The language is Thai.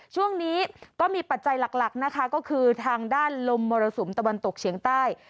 ช่วงนี้ก็มีปัจจัยหลักนะคะก็คือทางด้านลมมรสุมตะวันตกเฉียงใต้